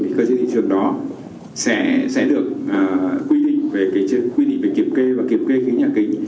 thì cơ chế thị trường đó sẽ được quy định về kiểm kê và kiểm kê khí nhà kính